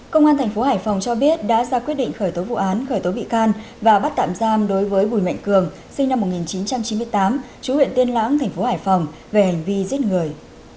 công an thành phố hải phòng cho biết đã ra quyết định khởi tố vụ án khởi tố bị can và bắt tạm giam đối với bùi mạnh cường sinh năm một nghìn chín trăm chín mươi tám chú huyện tiên lãng thành phố hải phòng về hành vi giết người